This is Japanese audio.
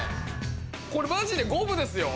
これマジで五分ですよ。